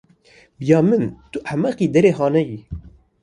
Bi ya min tu ehmeqekî derê hanê yî.